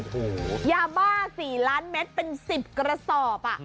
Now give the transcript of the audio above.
โอ้โหยาบ้า๔ล้านเมตรเป็น๑๐กระสอบ